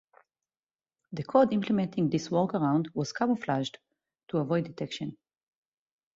The code implementing this workaround was "camouflaged" to avoid detection.